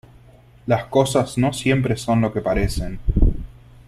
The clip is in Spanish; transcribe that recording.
las cosas no siempre son lo que parecen .